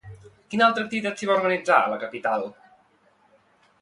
Quina altra activitat s'hi va organitzar a la capital?